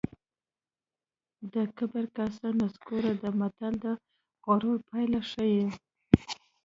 د کبر کاسه نسکوره ده متل د غرور پایله ښيي